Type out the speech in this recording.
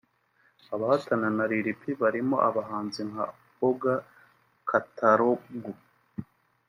Abahataaga na Lil P barimo abahanzi nka Ogga Katalogu